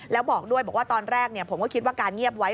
แล้วบอกด้วยบอกว่าตอนแรกผมก็คิดว่าการเงียบไว้